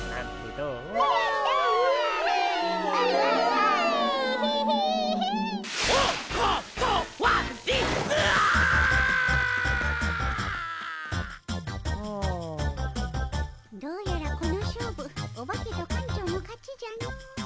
どうやらこの勝負オバケと館長の勝ちじゃの。